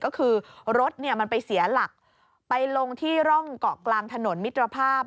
ก็คือรถเนี่ยมันไปเสียหลักไปลงที่ร่องเกาะกลางถนนมิตรภาพ